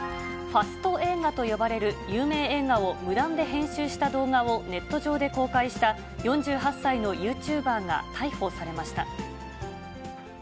ファスト映画と呼ばれる有名映画を無断で編集した動画をネット上で公開した、４８歳のユーチューバーが逮捕されました。